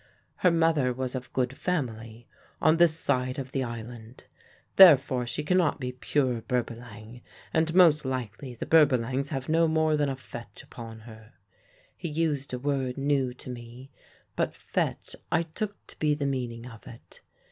'Her mother was of good family, on this side of the island. Therefore she cannot be pure Berbalang, and most likely the Berbalangs have no more than a fetch upon her' he used a word new to me, but 'fetch' I took to be the meaning of it.